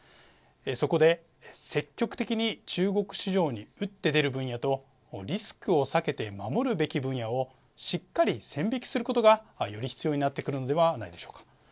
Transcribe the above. そこで積極的に中国市場に打って出る分野とリスクを避けて守るべき分野をしっかり線引きすることがより必要になってくるのではないでしょうか。